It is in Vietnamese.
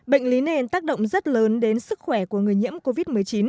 bệnh lý nền tác động rất lớn đến sức khỏe của người nhiễm covid một mươi chín